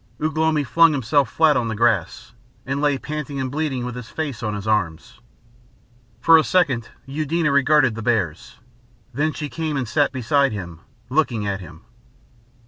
Ugh lomi flung himself flat on the grass, and lay panting and bleeding with his face on his arms. For a second Eudena regarded the bears, then she came and sat beside him, looking at him....